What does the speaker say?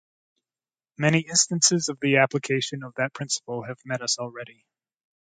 Many instances of the application of that principle have met us already.